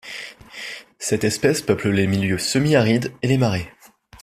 Cette espèce peuple les milieux semi-arides et les marais.